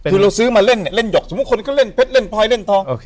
คือเราซื้อมาเล่นเนี่ยเล่นหยกสมมุติคนก็เล่นเพชรเล่นพลอยเล่นทอง